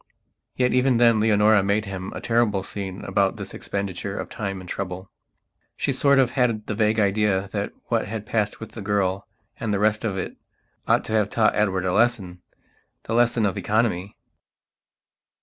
Yet even then Leonora made him a terrible scene about this expenditure of time and trouble. She sort of had the vague idea that what had passed with the girl and the rest of it ought to have taught Edward a lessonthe lesson of economy.